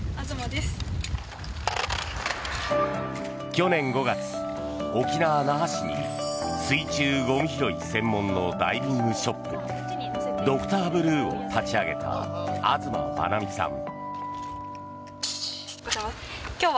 去年５月、沖縄・那覇市に水中ゴミ拾い専門のダイビングショップＤｒ．ｂｌｕｅを立ち上げた東真七水さん。